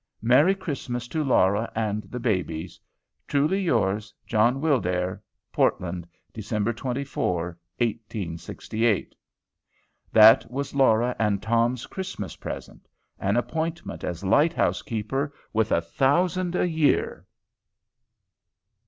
Merry Christmas to Laura and the babies. Truly yours, JOHN WILDAIR. PORTLAND, Dec. 24, 1868. That was Laura and Tom's Christmas present. An appointment as light house keeper, with a thousand a year!